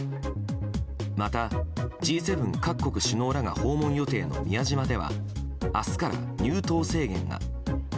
またＧ７各国首脳らが訪問予定の宮島では明日から入島制限が。